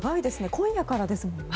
今夜からですもんね。